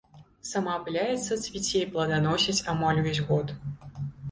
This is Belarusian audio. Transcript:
Самаапыляецца, цвіце і пладаносіць амаль увесь год.